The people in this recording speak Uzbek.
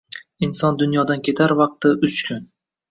— Inson dunyodan ketar vaqti — uch kun.